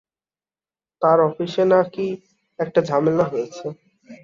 তার অফিসে নাকি কী-একটা ঝামেলা হয়েছে।